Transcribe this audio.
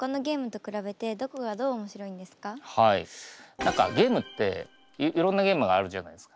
何かゲームっていろんなゲームがあるじゃないですか。